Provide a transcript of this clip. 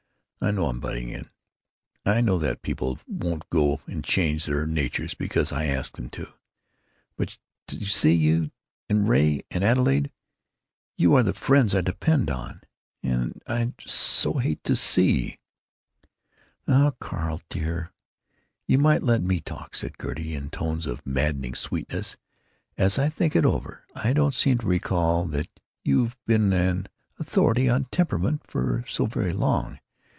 I know I'm butting in; I know that people won't go and change their natures because I ask them to; but you see you—and Ray and Adelaide—you are the friends I depend on, and so I hate to see——" "Now, Carl dear, you might let me talk," said Gertie, in tones of maddening sweetness. "As I think it over, I don't seem to recall that you've been an authority on temperament for so very long.